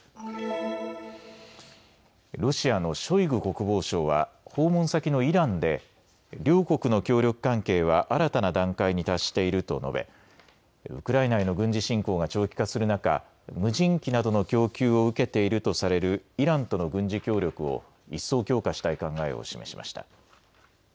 ロシアのショイグ国防相は訪問先のイランで両国の協力関係は新たな段階に達していると述べウクライナへの軍事侵攻が長期化する中、無人機などの供給を受けているとされるイランとの軍事協力を一層強化したい考えを示しました。